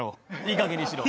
いいかげんにしろ。